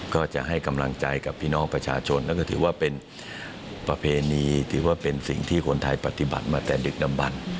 ก็จะให้กำลังใจกับพี่น้องประชาชนนั่นก็ถือว่าเป็นประเพณีถือว่าเป็นสิ่งที่คนไทยปฏิบัติมาแต่ดึกดำบัน